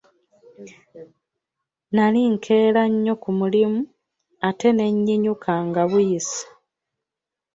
Nali nkeera nnyo ku mulimu ate ne nnyinyuka nga buyise.